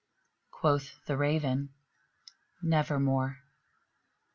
Quoth the Raven, "Nevermore."